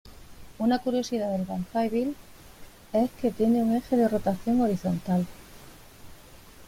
Una curiosidad del Banzai Bill es que tiene un eje de rotación horizontal.